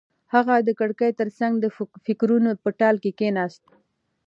هغه د کړکۍ تر څنګ د فکرونو په ټال کې کېناسته.